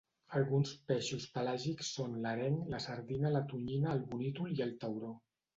Alguns peixos pelàgics són l'areng, la sardina, la tonyina, el bonítol i el tauró.